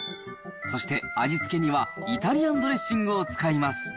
そして、味付けにはイタリアンドレッシングを使います。